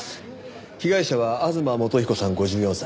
被害者は吾妻元彦さん５４歳。